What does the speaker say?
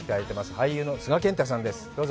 俳優の須賀健太さんです。